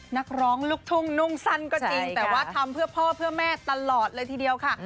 นักร้องลูกทุ่งนุ่งสั้นก็จริงแต่ว่าทำเพื่อพ่อเพื่อแม่ตลอดเลยทีเดียวค่ะ